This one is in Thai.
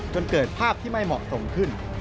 จนเกิดภาพที่ไม่เหมาะสมขึ้น